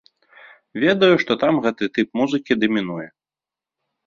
Ведаю, што там гэты тып музыкі дамінуе.